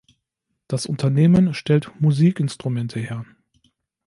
Das Unternehmen stellt Musikinstrumente her.